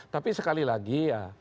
tapi sekali lagi